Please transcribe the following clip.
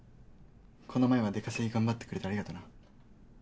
この前は出稼ぎ頑張ってくれてありがとな。